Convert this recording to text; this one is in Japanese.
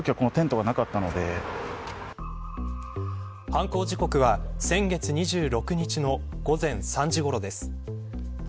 犯行時刻は先月２６日の午前３時ごろです。